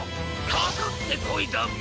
かかってこいだビ！